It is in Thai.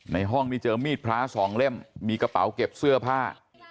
ในห้องนี้เจอมีดพระสองเล่มมีกระเป๋าเก็บเสื้อผ้า